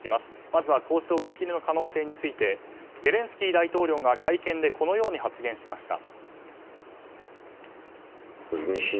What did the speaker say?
まず交渉打ち切りの可能性についてゼレンスキー大統領が会見でこのように発言しました。